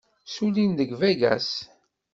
Ssullin deg Vegas.